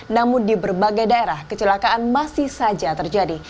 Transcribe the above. namun di berbagai daerah kecelakaan masih saja terjadi